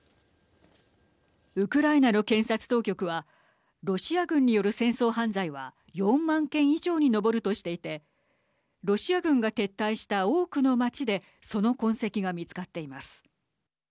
ウクライナの検察当局はロシア軍による戦争犯罪は４万件以上に上るとしていてロシア軍が撤退した多くの町でその痕跡が見つかっています。